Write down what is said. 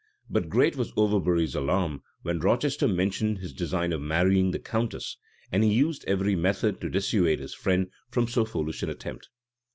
But great was Overbury's alarm, when Rochester mentioned his design of marrying the countess; and he used every method to dissuade his friend from so foolish an attempt.